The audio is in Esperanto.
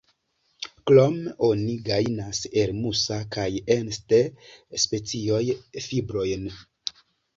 Krome oni gajnas el "Musa"- kaj "Ensete"-specioj fibrojn.